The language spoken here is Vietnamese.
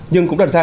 nhưng cũng đặt ra